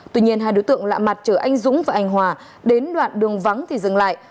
tuy nhiên hai đối tượng lạ mặt chở anh dũng và anh hòa đến đoạn đường vắng thì dừng lại